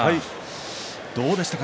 どうでしたか？